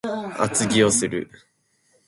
厚着をする